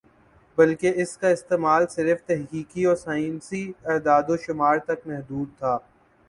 بلکہ اس کا استعمال صرف تحقیقی اور سائنسی اعداد و شمار تک محدود تھا